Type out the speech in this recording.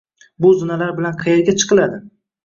Bu zinalar bilan qayerga chiqiladi?